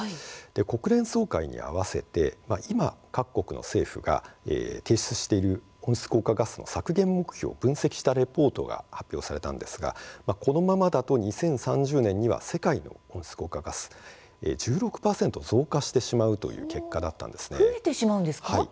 国連総会に合わせて今、各国が提出している温室効果ガスの削減目標を分析したレポートが発表されたんですがこのままでは２０３０年には世界の温室効果ガスが１６％増加してしまうという結果だったんです。